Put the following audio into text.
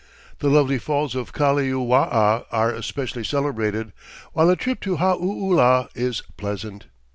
The lovely falls of Kaliuwaa are especially celebrated, while a trip to Hauula is pleasant.